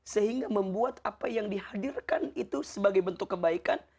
sehingga membuat apa yang dihadirkan itu sebagai bentuk kebaikan